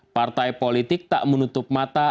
partai politik tak menutup mata